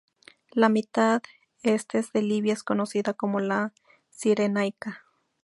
La mitad este de Libia es conocida como la Cirenaica.